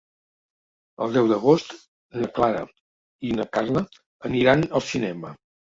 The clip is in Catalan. El deu d'agost na Clara i na Carla aniran al cinema.